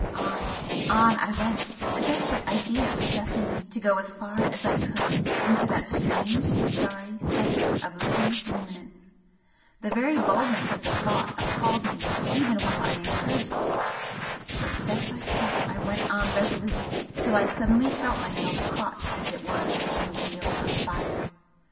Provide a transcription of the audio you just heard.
On on I went, a desperate idea possessing me to go as far as I could into that strange starry centre of living luminance the very boldness of the thought appalled me even while I encouraged it but step by step I went on resolutely till I suddenly felt myself caught as it were in a wheel of fire!